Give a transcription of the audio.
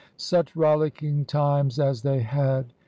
" Such rollicking times as they had